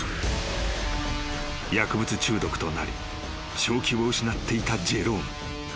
［薬物中毒となり正気を失っていたジェローム］